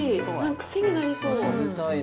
癖になりそう。